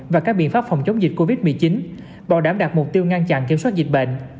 và các biện pháp phòng chống dịch covid một mươi chín bảo đảm đạt mục tiêu ngăn chặn kiểm soát dịch bệnh